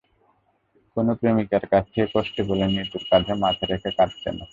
কোনো প্রেমিকার কাছ থেকে কষ্ট পেলে নিতুর কাঁধে মাথা রেখে কাঁদতেনও।